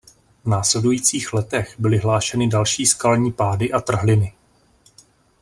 V následujících letech byly hlášeny další skalní pády a trhliny.